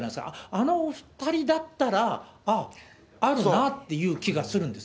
あのお２人だったら、ああ、あるなっていう気がするんです。